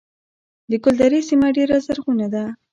د ګلدرې سیمه ډیره زرغونه ده